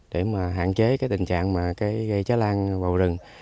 để hạn chế tình trạng gây cháy lan vào rừng